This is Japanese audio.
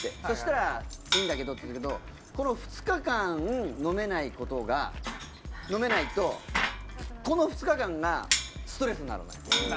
そしたらいいんだけどっていうけどこの２日間飲めないことが飲めないとこの２日間がストレスになるの。